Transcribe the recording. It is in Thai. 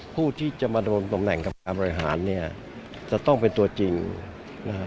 ผู้ที่จะมาโดนตำแหน่งกับการบริหารเนี่ยจะต้องเป็นตัวจริงนะฮะ